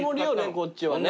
こっちはね。